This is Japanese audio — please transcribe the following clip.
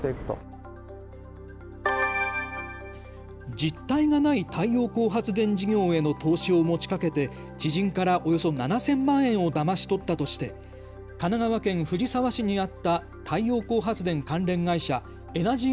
実態がない太陽光発電事業への投資を持ちかけて知人からおよそ７０００万円をだまし取ったとして神奈川県藤沢市にあった太陽光発電関連会社、エナジー